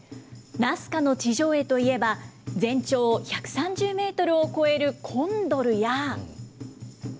ナスカの地上絵といえば、全長１３０メートルを超えるコンドルや。